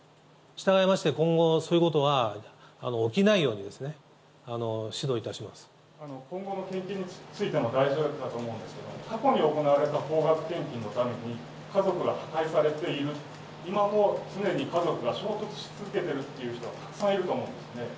従いまして、今後、そういうこと今後の献金についても大事だと思うんですけれども、過去に行われた高額献金のために、家族が破壊されている、今も常に家族が衝突し続けているという人、たくさんいると思うんですね。